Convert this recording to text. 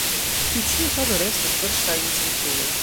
Tiu ĉi agado restos verŝajne sen puno.